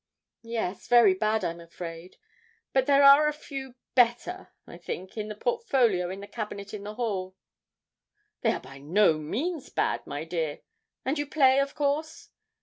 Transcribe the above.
'Yes, very bad, I'm afraid; but there are a few, better, I think in the portfolio in the cabinet in the hall.' 'They are by no means bad, my dear; and you play, of course?'